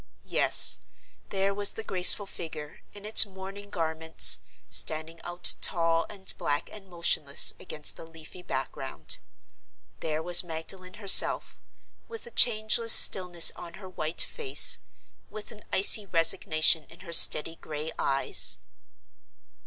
Yes, there was the graceful figure, in its mourning garments, standing out tall and black and motionless against the leafy background. There was Magdalen herself, with a changeless stillness on her white face; with an icy resignation in her steady gray eyes.